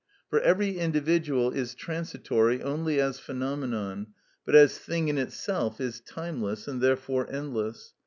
For every individual is transitory only as phenomenon, but as thing in itself is timeless, and therefore endless.